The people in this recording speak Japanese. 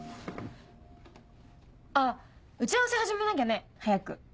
あっ打ち合わせ始めなきゃね早く。